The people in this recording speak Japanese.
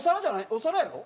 お皿やろ？